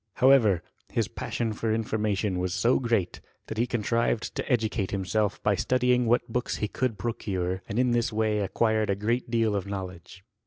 However, his passion for information was so great, that he contrived to educate himself by studying what books he could procure, and in this way acquired a great deal of knowledge.